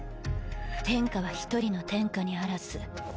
天下は一人の天下にあらず。